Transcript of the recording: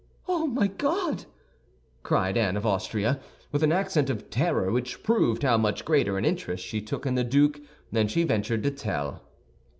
"Oh, my God!" cried Anne of Austria, with an accent of terror which proved how much greater an interest she took in the duke than she ventured to tell.